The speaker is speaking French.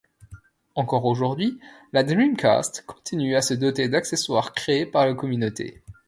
Encore aujourd'hui, la Dreamcast continue à se doter d'accessoires créés par la communauté.